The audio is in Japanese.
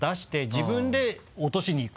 自分で落としにいく。